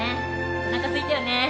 おなかすいたよね。